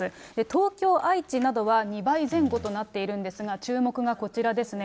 東京、愛知などは２倍前後となっているんですが、注目がこちらですね。